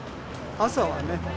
朝はね。